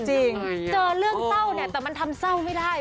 เจอเรื่องเศร้าเนี่ยแต่มันทำเศร้าไม่ได้